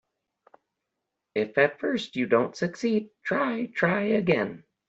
If at first you don't succeed, try, try again.